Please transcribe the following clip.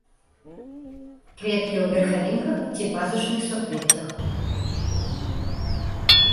Кветкі ў верхавінках ці пазушных суквеццях.